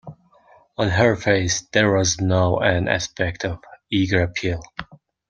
On her face there was now an aspect of eager appeal.